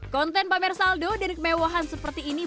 konten pamer saldo dan kemewahan seperti ini